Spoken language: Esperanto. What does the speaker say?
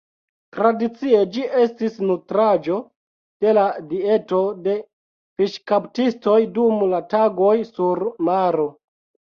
Tradicie ĝi estis nutraĵo de la dieto de fiŝkaptistoj dum la tagoj sur maro.